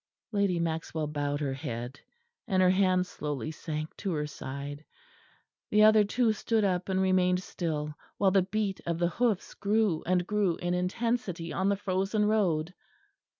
Lady Maxwell bowed her head, and her hand slowly sank to her side. The other two stood up and remained still while the beat of the hoofs grew and grew in intensity on the frozen road.